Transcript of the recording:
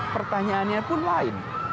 pertanyaannya pun lain